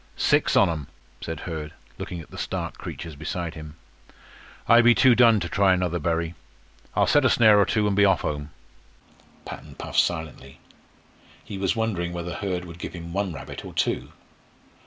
"Six on 'em," said Hurd, looking at the stark creatures beside him. "I be too done to try another bury. I'll set a snare or two, an' be off home." Patton puffed silently. He was wondering whether Hurd would give him one rabbit or two.